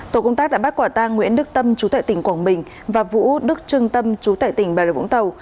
tổ công tác đã bắt quả tang nguyễn đức tâm chú tệ tỉnh quảng bình và vũ đức trương tâm chú tệ tỉnh bà rồi vũng tàu